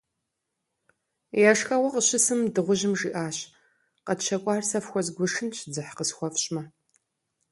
Я шхэгъуэ къыщысым, дыгъужьым жиӀащ: - КъэтщэкӀуар сэ фхуэзгуэшынщ, дзыхь къысхуэфщӀмэ.